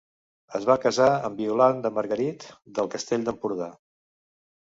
Es va casar amb Violant de Margarit del Castell d'Empordà.